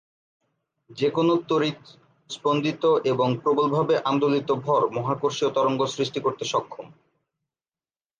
যেকোন ত্বরিত, স্পন্দিত এবং প্রবলভাবে আন্দোলিত ভর মহাকর্ষীয় তরঙ্গ সৃষ্টি করতে সক্ষম।